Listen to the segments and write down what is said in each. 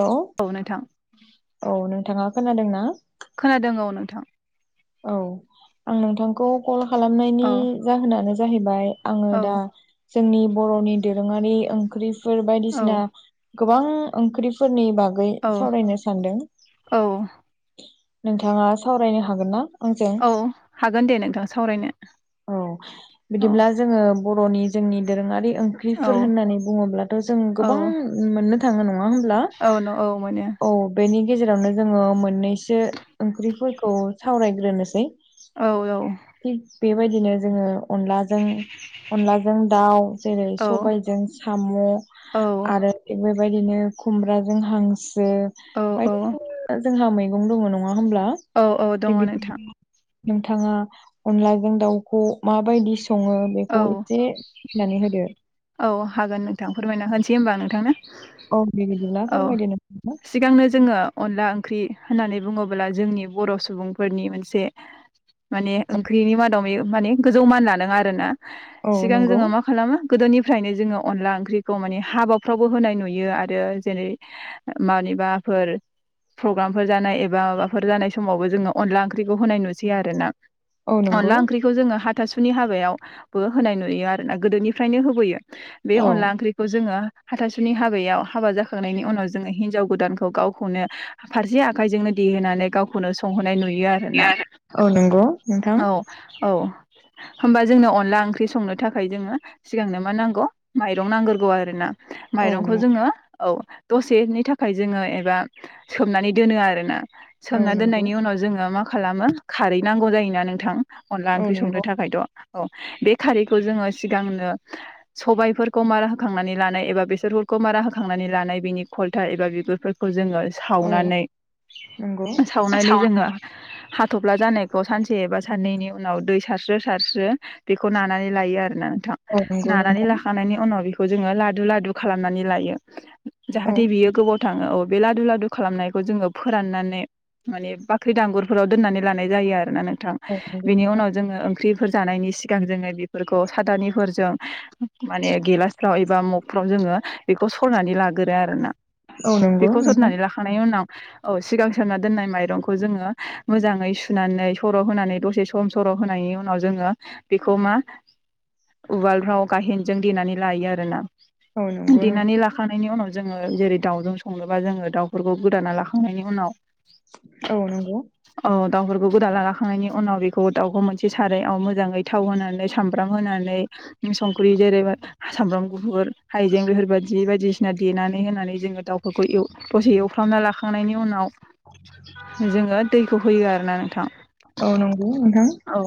औे औ नोंथां औ नोंथाङा खोनादों ना। खोनादों औ नोंथां औ आं नोंथांखौ कल खालामनायनि औ जाहोनानो जाहैबाय आङो औ दा जोंनि बर'नि दोरोङारि ओंख्रिफोर औ बायदिसिना गोबां ओंख्रिफोरनि बागै औ सावरायनो सानदों। औ नोंथाङा सावरायनो हागोन ना? आंजों औ हागोन दे नोंथां सावरायनो औ औ बिदिब्ला जोङो बर'नि जोंनि दोरोङारि औ ओंख्रिफोर होननानै बुङोब्लाथ' जों औ गोबां मोननो थाङो नङा होनब्ला औ न औ मोनो औ। बेनि गेजेरावनो जोङो मोननैसो ओंख्रिफोरखौ सावरायग्रोनोसै। औ औ। थिग बेबायदिनो जोङो अनलाजों अनलाजों दाउ जेरै औ सबायजों साम'। औ। आरो बेबायदिनो खुमब्राजों हांसो। औ जोंहा मैगं दङ नङा होमब्ला। औ औ दङ थिग नोंथां। बिदिनो नोंथाङा अनलाजों दाउखौ माबायदि सङो। औ बेखौ एसे फोरमायनानै होदो। औ- हागोन नोंथां फोरमायना होनोसै होमबा नोंथांनो। औ दे बिदिब्ला औ- फोरमायदो नोंथाङा सिगांनो जोङो अनला ओंख्रि होननानै बुङोब्ला जोंनि बर' सुबुंफोरनि मोनसे माने ओंख्रिनि मादाव माने गोजौ मान लाना आरो ना औ सिगां नंगौ जोङो मा म खालामा गोदोनिफ्रायनो जोङो अनला ओंख्रिखौ माने हाबाफ्रावबो होनाय नुयो आरो। जेरै मानिबाफोर प्रग्रामफोर जानाय एबा माबाफोर जानाय समावबो जोङो अनला ओंख्रिखौ होनाय नुसै आरो ना। औ नंगौ अनला ओंख्रि जोङो हाथासुनि हाबायावबो होनाय नुयो आरोना गोदोनिफ्रायनो होबोयो बे औ अनला ओंख्रि खौ जोङो हाथासुनि हाबायाव हाबा जाखांनायनि उनाव जोङो हिनजाव गोदानखौ गावखौनो फारसे आखाइजोंनो देहोनानै गावखौनो संहोनाय नुयो आरोना औ नंगौ नोंथां औ। औ। होमबा जोंनो अनला ओंख्रि संनो थाखाय जोङो सिगांनो मा नांगौ माइरं नांग्रगौ आरो ना। औ माइरंखौ नंगौ जोङो। औ दसेनि थाखाय जोङो एबा सोमनानै दोनो आरो ना। औ सोमना नंगौ दोननायनि उनाव जोङो मा खालामो खारै नांगौ जायोना नोंथां। अनला औ ओंख्रि संनो नंगौ थाखायथ' औ बे खारैखौ जोङो सिगांनो। सबायाइफोरखौ मारा होखांनानै लानाय एबा बेसोर मारा हो थांनानै लानाय बिनि खलथाल एबा बिगुरफोरखौ जोङो। औ सावनानै नंगौ सावनानै जोङो। हाथब्ला जानायखौ सानसे एबा साननैनि उनाव दै सारस्रो सारस्रो। बेखौ नानानै लायो आरोना नोंथां औ नंगौ नानानै नोंथां लाखांनायनि उनाव बे खौ जोङो लादु लादु खालामनानै लायो। औ जाहाथे बियो गोबाव थाङो औ बे लादु लादु खालामनायखौ जोङो फोराननानै मानि बाख्रि दांगुरफोराव दोननानै लानाय जायो आरो ना नोंथां औ नंगौ बेनि नोंथां उनाव जोङो ओंख्रि। फोर जानायनि सिगां जोङो बेफोरखौ सादानिफोरजों माने गेलास्राव एबा मग फ्राव जोङो बेखौ सरनानै लाग्रोरो आरोना औ नंगौ बेखौ नोंथां सरनानै लाखांनायनि उनाव औ सिगां सोमना दोननाय माइरंखौ जोङो मोजाङै सुनानै सर' होनानै दसे सम सर' होनायनि उनाव जोङो बेखौ मा। उवालफ्राव गाहेनजों देनानै लायो आरो ना। औ नंगौ। नों देनानै लाखांनायनि उनाव जोङो जेरै दाउजों सङोबा जोङो दाउफोरखौ गोदाना लाखांनायनि उनाव। औ नंगौ। औ दाउफोरखौ गोदान ला लाखांनायनि उनाव बेखौ दाउखौ मोनसे साराइ मोजाङै थाव होनानै। सामब्राम होनानै संख्रि जेरैब सामब्राम गुफुर हाइजें बेफोर। दि बायदिसिना देनानै होनानै जोङो दाउफोरखौ दसे एवफ्रामना लाखांनायनि उनाव। जोङो दैखौ होयो आरो ना नोंथां। औ नंगौ नोंथां। औ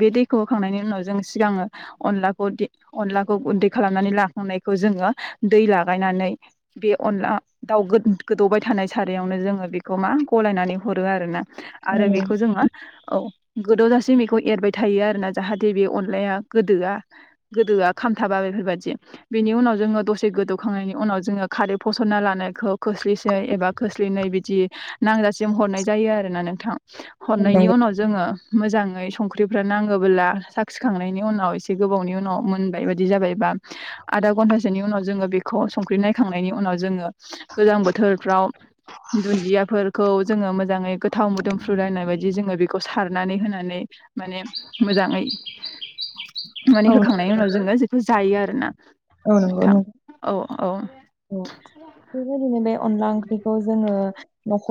बे दैखौ होखांनायनि उनाव जों सिगाङो अनलाखौ अनलाखौ गुन्दै खालामनानै लाखांनायखौ जोङो दै लागायनानै बे अनला दाउ गोदौबाय थानाय सारायावनो जोङो बेखौ मा गलायनानै हरो आरो ना। औ आरो नं- बेखौ जोङो औ गोदौजासिम बेखौ एरबाय थायो आरोना जाहाथे बे अनलाया गोदोआ। गोदोआ खामथाबा बेफोरबायदि बेनि उनाव जोङो दसे गोदौखांनायनि उनाव जोङो खारै फसनना लानायखौ खोस्लिसै एबा खोस्लिनै बिदि नांजासिम हरनाय जायो आरो ना नोंथां औ हरनायनि नंगौ उनाव जोङो मोजाङै संख्रिफ्रा नाङोबोला साखिखांनायनि उनाव एसे गोबावनि उनाव मोनबाय बायदि दि जाबायबा आदा घनथासोनि उनाव जोङो बेखौ संख्रि नायखांनायनि उनाव जोङो गोजां बोथोरफ्राव दुन्दियाफोरखौ जोङो मोजाङै गोथाव मोदोमफ्रु राननाय बायदि जोङो बेखौ सारनानै होनानै माने मोजाङै माने होखांनायनि उनाव जोङो जखौ जायो आरो ना औ नंगौ नोंथां औ औ। बेबायदिनो बे अनला ओंख्रिखौ जोङो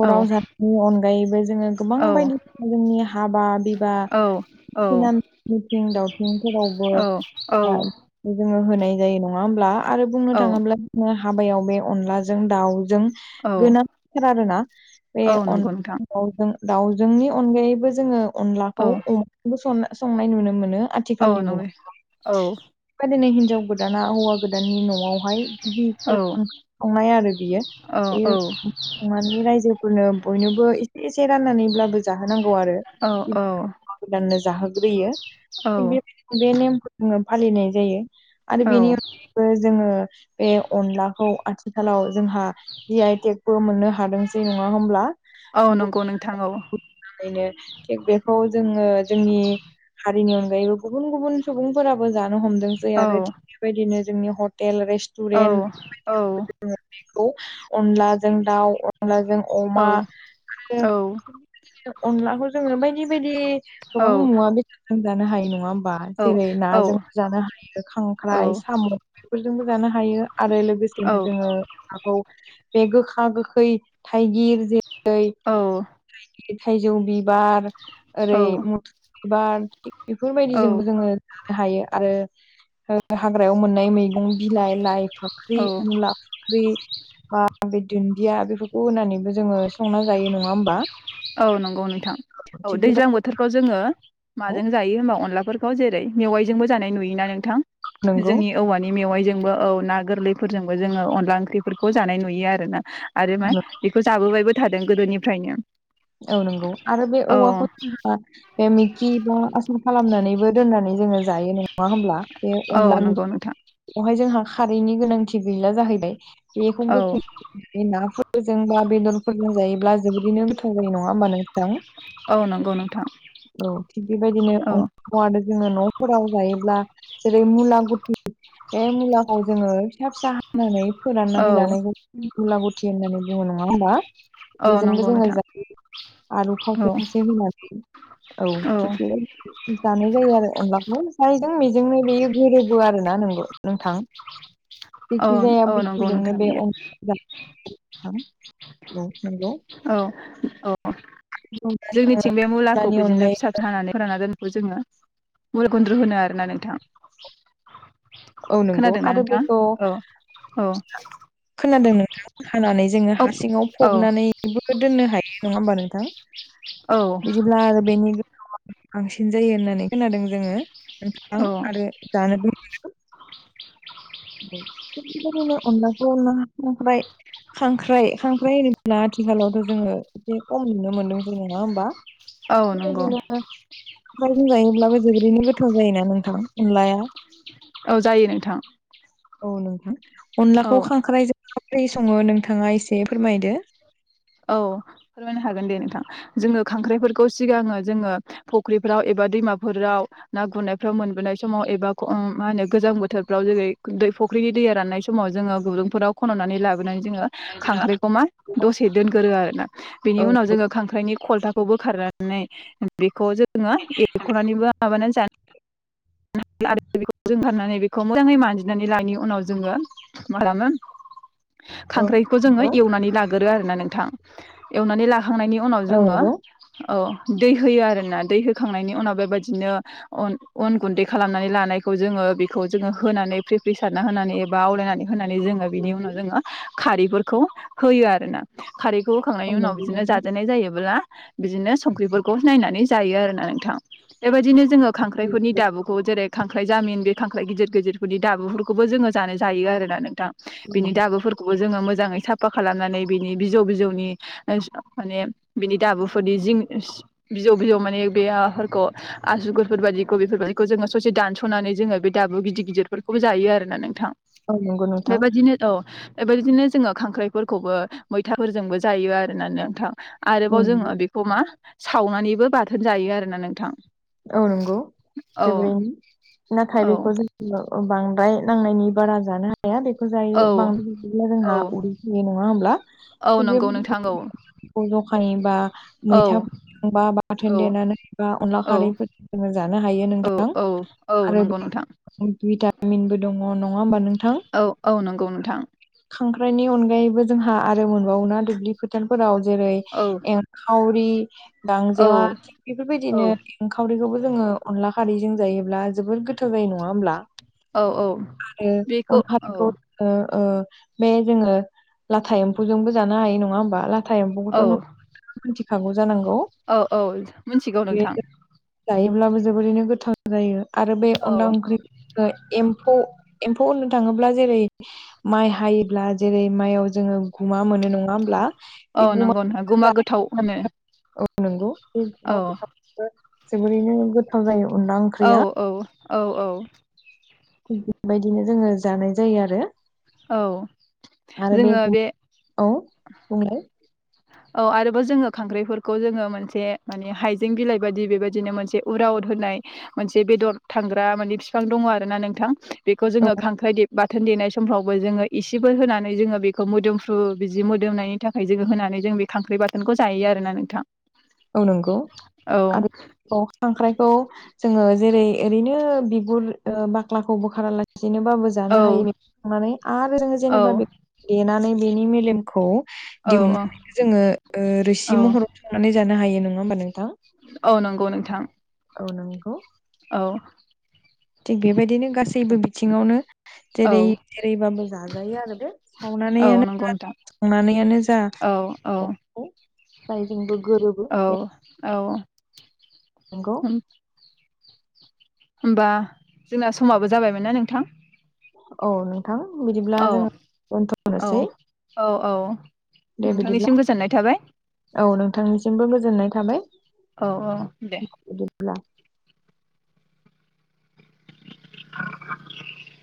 औ जा नि अनगायैबो जोङो गोबां औ बायदि जोंनि हाबा बिब बा औ औ सिना मिथिं दावथिंफोरावबो औ औ बा जोङो होनाय जायो नङा होमब्ला आरो बुंनो औ थाङोब्ला जों हाबायाव बे अनलाजों दाउजों औ गोनांथार आरोना बे औ अन नंगौ नोंथां दाउजों-दाउजोंनि अनगायैबो जोङो अनलाखौ औ अमाजोंबो स-संनाय नुनो मोनो। औ आथिखालनि नंगौ मुगायावहाय औ बेबादिनो हिनजाव गोदाना हौवा गोदाननि न'आवहाय बि औ संनाय आरो बियो बियो संनानै रायजोफोरनो बयनोबो इ एसे राननानैब्लाबो जाहोनांगौ आरो हौवा गोदाननो जाहोग्रोयो। थिग औ। बेबायदिनो बे नेमखौ जोङो फालिनाय जायो आरो बेनि औ अनगायैबो जोङो। बे अनलाखौ आथिखालाव जोंहा जि आइ टेकबो मोननो हादोंसै नङा होमब्ला? औ नंगौ नोंथां औ। यैनो थिग बेखौ जोङो जोंनि हारिनि अनगायैबो गुबुन गुबुन सुबुंफोराबो जानो हमदोंसै औ आरो थिग बेबायदिनो जोंनि हटेल रेसत। औ औ। बेखौ अनलाजों दाउ अनलाजों औ अमा आरो औ अनलाखौ जोङो बायदि बायदि गोबां मुवा बे जों जानो हायो नोङा होमबा? जेरै नाजोंबो जानो हायो खांख्राइ साम' बेफोरजोंबो जानो हायो आरो लोगोसेनो जोंङो नाखौ बे गोखा गोखै थाइगिर जेरै थाइजौ बि बिबार ओरै मुथुर बिबार थिग बेफोरबायदिजोंबो औ जोंङो हायो आरो ओ हाग्रायाव मोननाय मैगं बिलाइ लाइ औ फाख्रि, मुला ख्रि बा बे दुन्दिया बेफोरखौ होनानैबो जोङो। संना जायो नङा होमबा। औ नंगौ नोंथां औ थिग दैज्लां बेबायदिखौ बोथोरफ्राव जोङो माजों जायो होमबा अनलाफोर खौ जेरै मेवाइजोंबो जानाय नुयोना नोंथां नंगौ जोंनि औवानि मेवाइजोंबो औ ना गोरलैफोरजोंबो जोङो अनला ओंख्रिफोरखौ जानाय नुयो आरोना आरो मा बेखौ जाबोबायबो थादों गोदोनिफ्रायनो। औ नंगौ आरो बे औ औवाखौ बा मिथि बा आसार खालामनानैबो दोननानै जोंङो। जायो नङा होमब्ला बे औ अनला नंगौ नोंथां बेवहाय जोंहा खारैनि गोनांथि गैला जाहैबाय बेखौ औ जैरै नाफोरजों बा बेदरफोरजों जायोब्ला जोबोरैनो गोथाव जायो नङा होमबा नों जों औ नंगौ नोंथां औ थिग बेबायदिनो औ अ [unintelligible] जोंङो न'फोराव जायोब्ला जेरै मुला गु बे मुलाखौ जोंङो फिसा फिसा हानानै फोराननानै औ लानायखौ गुलाबथि होननानै बुङो नङा होमबा? औ बेजोंबो नंगौ जोङो नोंथां। आलु औ खावसे खावसे होनानै औ थिग बेबायदि जानाय जायो आरो अनलाखौ जायजों मेजोंनो बेयो गोरोबो आरो ना नोंगौ नोंथां औ जिखि जाया औ नंगौ बुस्थुजोंनो नोंथां बे बियो अ [unintelligible] नोंथां। औ नोंगौ। औ औ जोंनिथिंजाय बे मुलाखौ नि बिदिनो अनगायै फिसा हानानै फोरानना दोननायखौ जोङो मुलगुन्द्रु होनो आरोना नोंथां। औ नोंगौ खोनादोंना आरो नोंथां बेखौ औ औ खोनादों नोंथां हानानै जोंङो औ हा सिङाव औ फबनानै दिफोरखो दोननो हायो नङा होमबा नोंथां। औ। बिदिब्ला आरो बेनि गोहोवा बांसिन जायो होननानै खोनादों जोंङो। नोंथां औ आरो जानोबो। [unintelligible] अनलाखौ ना खांख्राय। खांख्राइ खांख्राइ होनब्ला आथिखालावथ' जोंङो एसे खम नुनो मोन्दों जोंङो नंङा होमबा। औ नंगौ बेफोरबायदिनो। खांख्रायजों जायोब्लाबो जोबोरैनो गोथाव जायोना नोंथां अनलाया। औ जायो नोंथां। औ नोंथां औ अनलाखौ खांख्राइजों माब्रै संङो नोंथांङा एसे फोरमायदो। औ फोरमायनो हागोन दे नोंथां जोंङो खांख्राइफोरखौ सिगांङो जोंङो। फुख्रिफोराव एबा दैमाफोराव। ना गुरनायफ्राव मोनबोनाय समाव एबा ग मा होनो गोजां बोथोरफ्राव जेरै दै। फख्रिनि दैया राननाय समाव जोंङो गुदुंफोराव खन'नानै लाबोनानै जोंङो। खांख्राइखौ मा दसे दोनगोरो आरोना बेनि औ उनाव जोंङो खांख्राइनि खलथाखौ बोखारनानै बेखौ जोंङो एरख'नानैबो माबानानै जानो आरो बेखौ जों एरखनानै बेखौ मोजांङै मानजिनानै लानायनि उनाव जोंङो। माखालामो। औ खांख्राइखौ जोंङो एवनानै लागोरो आरोना नोंथां। एवनानै लाखांनायनि उनाव जोङो नंगौ औ दै होयो आरोना दै होखांनायनि उनाव बेबायदिनो अन गुन्दै खालामनानै लानायखौ जोङो बेखौ जोङो होनानै फ्रि फ्रिसारना होनानै बा आवलायनानै होनानै जोङो बिनि उनाव जोङो खारैफोरखौ होयो आरोना खारैखौ औ होखांनायनि उनाव बिदिनो नंगौ जाजानाय जायोब्ला बिदिनो संख्रिफोरखौ नायनानै जायो आरोना नोंथां बेबायदिनो जोङो खांख्राइफोरनि दाबु खौ जेरै खांख्राइ जामिन बे खांख्राइ गिदिर गिदिरफोरनि दाबुफोरखौबो जोङो जानो जायो आरोना नोंथां। बिनि दाबुफोरखौबो जोङो मोजाङै साफा खालामनानै बिनि बिजौ बिजौनि माने बिनि दाबुफोरनि जिं। बिजौ बिजौ माने बे ओ माफोरखौ आसुगुरफोर बायदिखौ बेफोरबायदिखौ जोंङो ससे दानस'नानै जोंङो बे। दाबु गिदिर गिदिरफोरखौबो जायो आरो ना नोंथां। औ नंगौ नोंथां औ नंगौ नोंथां बेबायदिनो औ बेबायदिनो जोंङो खांख्राइफोरखौबो। मैथाफोरजोंबो जायो आरो नोंथां। आरोबाव औ जोंङो नंगौ बे बेखौ मा सावनानैबो बाथोन जायो आरोना नोंथां। औ नंगौ औ जोबोरैनो नाथाय औ बेखौ बांद्राय नांनायनि बारा जानो जाया बेखौ औ जायो बांद्राय जाब्ला औ जोंहा उदै सायो नङा होमब्ला? औ थिग नंगौ बेबायदिनो नोंथां औ। जखानि बा औ मैथाफोरबा बाथोन औ देनानै बा अनला औ खारै जानो हायो औ नोंथां औ औ आरो नंगौ बे नोंथां [unintelligible] जामिनबो दङ नङा होमबा नोंथां? औ औ नंगौ नोंथां खांख्राइनि अनगायैबो जोंहा आरो मोनबावो ना दुब्लि फोथारफोराव जेरै औ एंखावरि औ गांजेमा औ बेफोरबायदिनो एंखावरिखौबो जोङो अनला खारैजों जायोब्ला जोबोद गोथाव जायो नङा होमब्ला? औ औ आरो बेखौ औ एंखावरिखौ ओ ओ बे जोङो लाथा एम्फौजोंबो जानो हायो नङा होमबा लाथा लाथा औ एम्फौखौथ' नोंथाङा मिथिखागौ जानांगौ औ औ मिथिगौ बे नोंथां। जायोब्लाबो जोबोरैनो गोथां जायो आरो बे औ अनला ओंख्रि जों एम्फौ एम्फौ होननो थाङोब्ला जेरै माइ हायोब्ला जेरै माइयाव जोङो गुमा मोनो नङा होमब्ला? औ नंगौ नोंथां गुमा गोथाव होनो औ नंगौ बे औ गुमा गोथावजोंबो जोबोरैनो गोथाव जायो अनला ओं औ औ औ औ [unintelligible] बेबायदिनो जोङो जानाय जायो आरो औ जोङो बे औ बुंलाय औ आरोबाव जोङो खांख्राइफोरखौ जोङो मोनसे माने हाइजें बिलाइ बायदि बेबायदिनो मोनसे उराव होनाय मोनसे बेदर थांग्रा माने बिफां दङ आरो ना नोंथां बेखौ औ जोङो खांख्राइ बाथोन देनाय समफ्रावबो जोङो इसेबो होनानै जोङो बेखौ मोदोमफ्रु बिदि मोदोमनायनि थाखाय जोङो होनानै जों बे खांख्राइ बाथोनखौ जायो आरोना नोंथां औ नंगौ औ आरो बाव खांख्रायखौ जोङो जेरै ओरैनो बिगुर बाख्लाखौ बोखारालासिनोबाबो औ जानो हायोनानै आरो औ जेनेबा देनानै बेनि मेलेमखौ औ औ दिहुननानै जोङो रोसि औ महराव संनानै जानो हायो नङा होमबा नों औ नंगौ नोंथां। औ नंगौ औ थिग बेबायदिनो गासैबो बिथिङावनो औ जेरै जेरैबाबो जाजायो आरो बे औ सावनानैनो नंगौ नोंथां संनानैनो जा औ औ जायजोंबो गोरोबो औ औ नंगौ उ होमबा जोंना समाबो जाबायमोन ना नोंथां औ नोंथां बिदिब्ला औ जोङो औ दोनथ'नोसै औ औ दे बिदिब्ला नोंथांनिसिम गोजोननाय थाबाय औ नोंथांनिसिमबो गोजोननाय थाबाय औ औ दे [unintelligible] [inaudible]